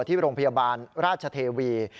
ที่โรงพยาบาลราชเทวี